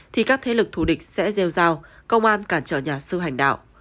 thì các thế lực thù địch sẽ dèo rào công an cản trở nhà sư hành đạo